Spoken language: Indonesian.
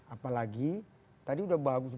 apalagi tadi udah bagus